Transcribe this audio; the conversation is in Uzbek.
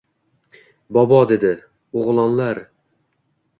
Bobo dedi: -O‘g‘lonlar